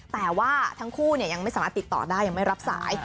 แต่ว่าทั้งคู่ยังไม่สามารถติดต่อได้ยังไม่รับสาย